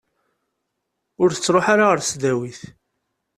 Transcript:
Ur tettruḥu ara ɣer tesdawit.